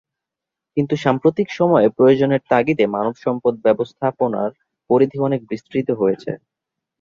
কিন্তু সাম্প্রতিক সময়ে প্রয়োজনের তাগিদে মানব সম্পদ ব্যবস্থাপনার পরিধি অনেক বিস্তৃত হয়েছে।